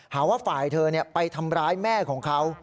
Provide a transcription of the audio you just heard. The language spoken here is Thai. หาว่าฝ่ายเธอไปทำร้ายแม่ของเขา